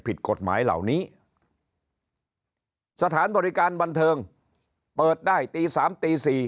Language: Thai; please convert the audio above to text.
ผิดกฎหมายเหล่านี้สถานบริการบันเทิงเปิดได้ตี๓ตี๔